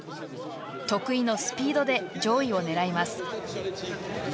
得意のスピードで上位を狙います。